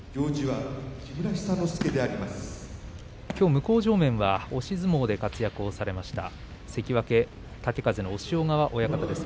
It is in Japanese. きょう向正面は押し相撲で活躍されました関脇豪風の押尾川親方です。